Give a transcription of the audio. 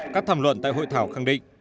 các tham luận tại hội thảo khẳng định